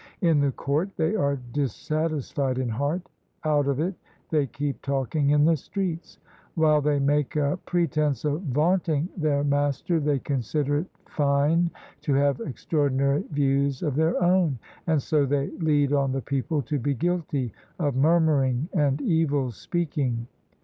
In the court, they are dissatisfied in heart; out of it, they keep talking in the streets. While they make a pretense of vaunting their Master, they consider it fine to have extraordinary views of their own. And so they lead on the people to be guilty of murmuring and evil speaking.